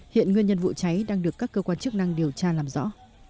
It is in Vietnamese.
hiện nguyên nhân vụ cháy đang được các cơ quan chức năng điều tra làm rõ